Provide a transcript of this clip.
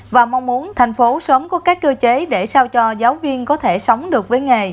và mong muốn thành phố sớm có các cơ chế để sao cho giáo viên có thể sống được với nghề